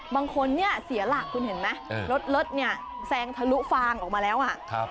บางคนเนี่ยเสียหลักคุณเห็นไหมรถเนี่ยแซงทะลุฟางออกมาแล้วอ่ะ